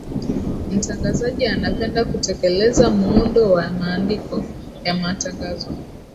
mtangazaji anapenda kutekeleza muundo wa mandiko ya matangazo